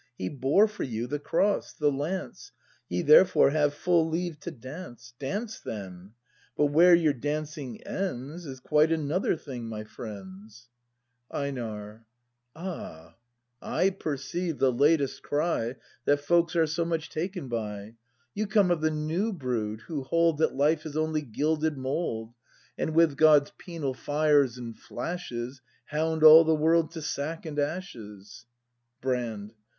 He bore for you the cross, the lance — Ye therefore have full leave to dance; Dance then, — but where your dancing ends Is quite another thing, my friends! ACT I] BRAND 39 EiNAR. All, I perceive, the latest cry, That folks are so much taken by. You come of the new brood, who hold That life is only gilded mould. And with God's penal fires and flashes Hound all the world to sack and ashes. Brand.